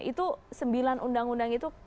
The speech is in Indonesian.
itu sembilan undang undang itu